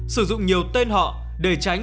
sử dụng nhiều tên họ để tránh